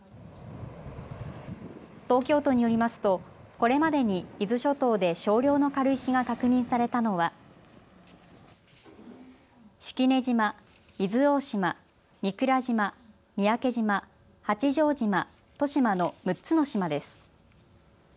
東京都によりますとこれまでに伊豆諸島で少量の軽石が確認されたのは、式根島、伊豆大島、御蔵島、三宅島、八丈島、利島の６つの島です。